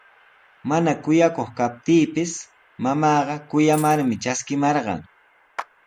Mana kuyakuq kaptiipis mamaaqa kuyamarmi traskimarqan.